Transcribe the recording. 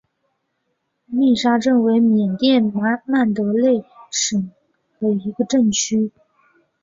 密沙镇为缅甸曼德勒省皎克西县的镇区。